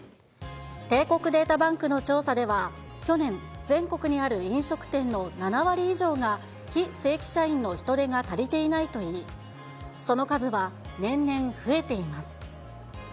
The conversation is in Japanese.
帝国データバンクの調査では、去年、全国にある飲食店の７割以上が、非正規社員の人手が足りていないといい、その数は年々増えています。